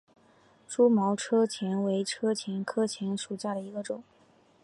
蛛毛车前为车前科车前属下的一个种。